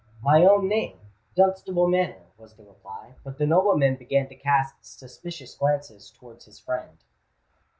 "My own name—Dunstable Manor," was the reply; but the nobleman began to cast suspicious glances towards his friend.